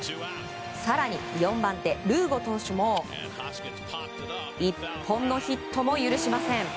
更に４番手、ルーゴ投手も一本のヒットも許しません。